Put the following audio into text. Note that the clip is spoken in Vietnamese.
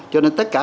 cho nên tất cả